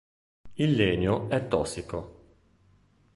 Il legno è tossico.